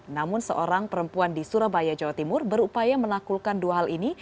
namun seorang perempuan di surabaya jawa timur berupaya menaklukkan dua hal ini